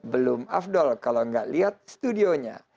belum afdol kalau nggak lihat studionya